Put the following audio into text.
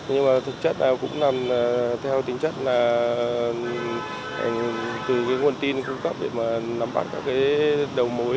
nhưng mà thực chất cũng là theo tính chất là từ nguồn tin cung cấp để nắm bắt các đầu mối